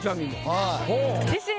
はい。